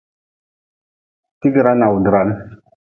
Tigra nawdran.